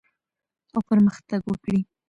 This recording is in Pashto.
او پرمختګ وکړي